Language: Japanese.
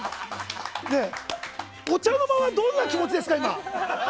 お茶の間は、どんな気持ちですか今。